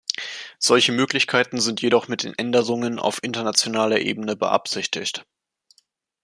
Solche Möglichkeiten sind jedoch mit den Änderungen auf internationaler Ebene beabsichtigt.